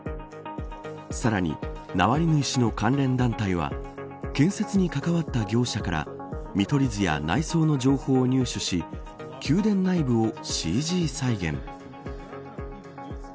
さらにナワリヌイ氏の関連団体は建設に関わった業者から見取り図や内装の情報を入手し宮殿内部をＣＧ再現。